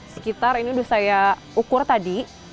sekitar ini sudah saya ukur tadi